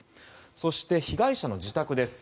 そして、被害者の自宅です。